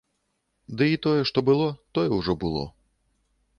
Ды і тое, што было, тое ўжо было.